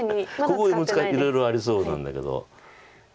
ここいろいろありそうなんだけど。